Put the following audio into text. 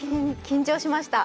緊張しました？